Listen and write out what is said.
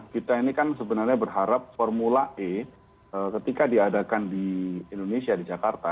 kita ini kan sebenarnya berharap formula e ketika diadakan di indonesia di jakarta